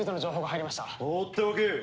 放っておけ。